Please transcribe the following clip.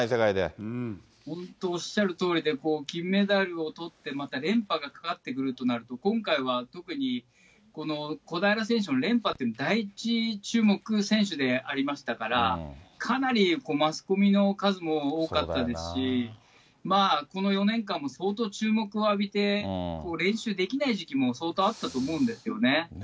本当、おっしゃるとおりで、金メダルをとって、今回は連覇がかかってくるとなると、今回は特に、小平選手の連覇というの、第一注目選手でありましたから、かなりマスコミの数も多かったですし、この４年間、相当注目を浴びて、練習できない時期も相当あったと思うんですよね。